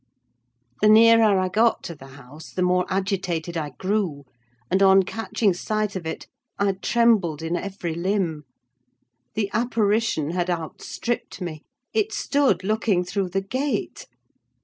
The nearer I got to the house the more agitated I grew; and on catching sight of it I trembled in every limb. The apparition had outstripped me: it stood looking through the gate.